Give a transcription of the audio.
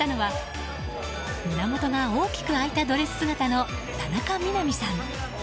歓声の中、登場したのは胸元が大きく開いたドレス姿の田中みな実さん。